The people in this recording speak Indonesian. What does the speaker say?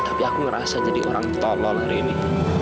tapi aku ngerasa jadi orang tolol hari ini